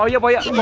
ambil depan jubang